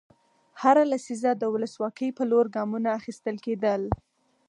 هره لسیزه د ولسواکۍ په لور ګامونه اخیستل کېدل.